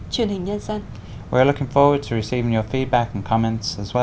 chuyên hình nhân dân